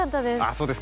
そうですか。